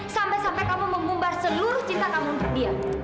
sampai sampai kamu mengumbar seluruh cinta kamu untuk dia